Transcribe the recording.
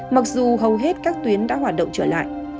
mặc dù hầu hết các tuyến đã hoạt động trở lại